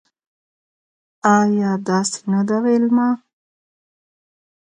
ایا داسې نده ویلما